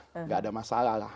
tidak ada masalah lah